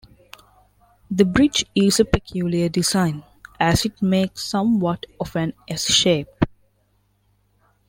The bridge is a peculiar design, as it makes somewhat of an "S" shape.